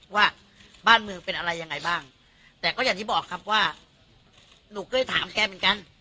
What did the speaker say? ว่าบ้านเมืองเป็นอะไรยังไงบ้างแต่ก็อย่างที่บอกครับว่าหนูเคยถามแกเหมือนกัน